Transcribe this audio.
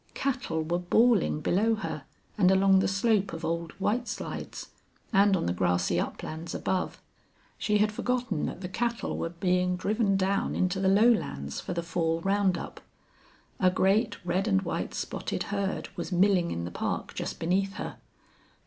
Cattle were bawling below her and along the slope of old White Slides and on the grassy uplands above. She had forgotten that the cattle were being driven down into the lowlands for the fall round up. A great red and white spotted herd was milling in the park just beneath her.